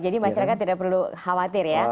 jadi masyarakat tidak perlu khawatir ya